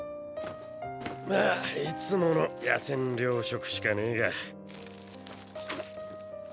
まぁいつもの野戦糧食しかねぇが。